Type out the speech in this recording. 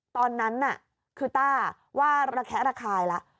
ตอนนั้นน่ะคือต้าว่าระแคะระคายแล้ว